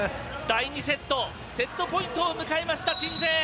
第２セットセットポイントを迎えました鎮西。